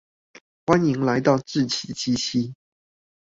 歡迎來到志祺七七